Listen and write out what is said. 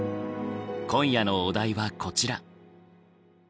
今夜のお題はこちら。